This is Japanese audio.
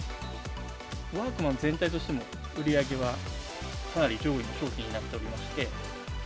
ワークマン全体としても、売り上げはかなり上位の商品になっておりまして。